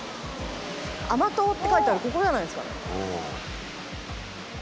「あまとう」って書いてあるここじゃないですか。